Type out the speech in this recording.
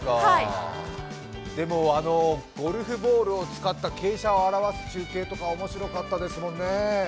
でも、ゴルフボールを使った傾斜を表す中継とか面白かったですもんね。